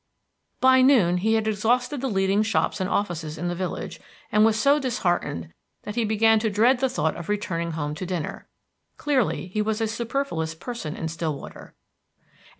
By noon he had exhausted the leading shops and offices in the village, and was so disheartened that he began to dread the thought of returning home to dinner. Clearly, he was a superfluous person in Stillwater.